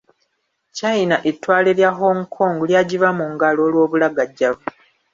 China ettwale lya Hong Kong lyagiva mu ngalo olw’obulagajjavu.